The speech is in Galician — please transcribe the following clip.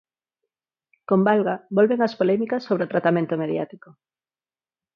Con Valga volven as polémicas sobre o tratamento mediático.